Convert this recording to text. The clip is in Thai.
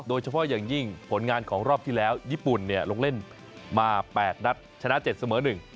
โดยเฉพาะอย่างยิ่งผลงานของรอบที่แล้วญี่ปุ่นเนี่ยลงเล่นมา๘นัดชนะ๗เสมอ๑